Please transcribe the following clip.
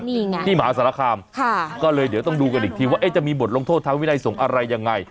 นี่ไงที่มหาสารคามค่ะก็เลยเดี๋ยวต้องดูกันอีกทีว่าจะมีบทลงโทษทางวินัยสงฆ์อะไรยังไง